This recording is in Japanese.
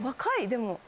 でも。